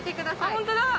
ホントだ。